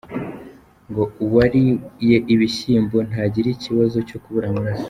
Ngo uwariye ibishyimbo nta gira ikibazo cyo kubura amaraso.